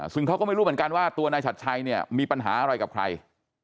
ซึ่งเขาก็ไม่รู้เหมือนกันว่าตัวนายชัดชัยเนี่ยมีปัญหาอะไรกับใคร